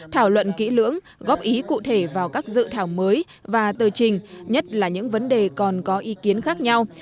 thảo luận kỹ lưỡng góp ý cụ thể vào các dự thảo mới và tờ trình nhất là những vấn đề còn có ý kiến khác nhau